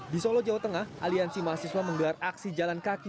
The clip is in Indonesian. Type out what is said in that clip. di solo jawa tengah aliansi mahasiswa menggelar aksi jalan kaki